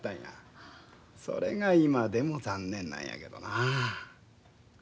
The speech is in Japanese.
それが今でも残念なんやけどなあ。